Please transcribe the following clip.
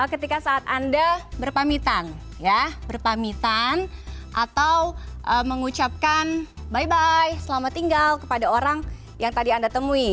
ketika saat anda berpamitan ya berpamitan atau mengucapkan by by selamat tinggal kepada orang yang tadi anda temui